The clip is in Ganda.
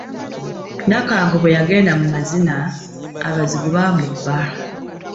Nakangu bwe yagenda mu mazina, abazigu baamubba.